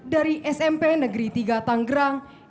dari smp negeri tiga tanggerang